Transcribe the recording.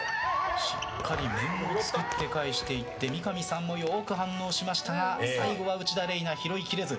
しっかり面を使って返していって三上さんもよく反応しましたが最後は内田嶺衣奈拾いきれず。